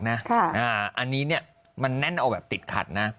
แน่นเอาแบบติดขัด